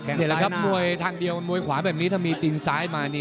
มวยครับทางเดียวถ้ามีตีนซ้ายมา